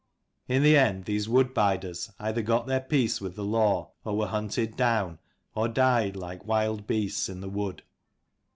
In the end these wood biders either got their peace with the law, or were hunted down, or died like wild beasts in the wood.